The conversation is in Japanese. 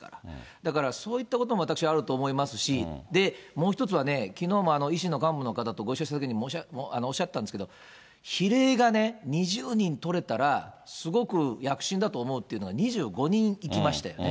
だから、そういったことも私あると思いますし、で、もう一つはね、きのうも維新の幹部の方とご一緒したときにおっしゃったんですけど、比例がね、２０人取れたら、すごく躍進だと思うというのが、２５人いきましたよね。